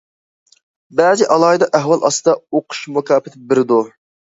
بەزى ئالاھىدە ئەھۋال ئاستىدا ئوقۇش مۇكاپاتى بېرىدۇ.